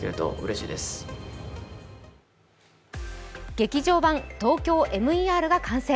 「劇場版ＴＯＫＹＯＭＥＲ」が完成。